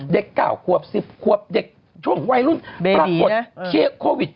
เด็กเก่าควบ๑๐ควบเด็กช่วงวัยรุ่นปรากฏโควิด